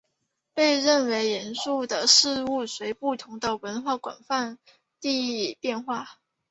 被认为严肃的事物随不同的文化广泛地变化。